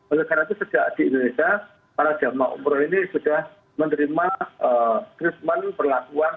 oleh karena itu sejak di indonesia para jemaah umroh ini sudah menerima treatment perlakuan